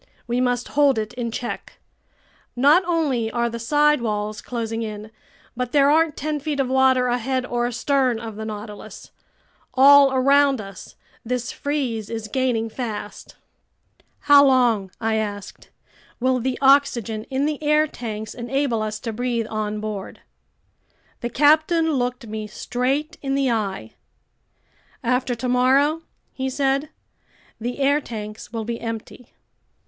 We must hold it in check. Not only are the side walls closing in, but there aren't ten feet of water ahead or astern of the Nautilus. All around us, this freeze is gaining fast." "How long," I asked, "will the oxygen in the air tanks enable us to breathe on board?" The captain looked me straight in the eye. "After tomorrow," he said, "the air tanks will be empty!"